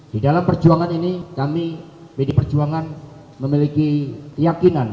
di dalam perjuangan ini kami pd perjuangan memiliki keyakinan